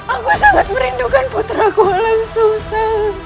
aku sangat merindukan putraku langsung